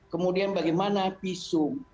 kemudian bagaimana visum